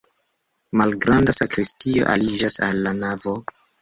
Malgranda sakristio aliĝas al la navo.